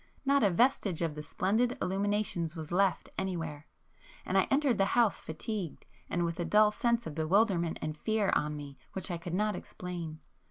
Not a vestige of the splendid illuminations was left anywhere,—and I entered the house fatigued, and with a dull sense of bewilderment and fear on me which I could not explain.